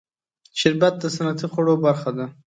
شربت د سنتي خوړو برخه ده